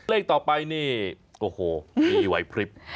เลขต่อไปนี่โอ้โหมีไหวพลิบ